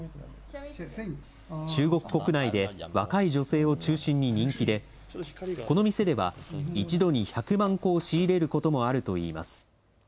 中国国内で若い女性を中心に人気で、この店では、１度に１００万個を仕入れることもあるといいます。